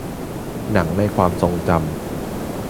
หนังในความทรงจำ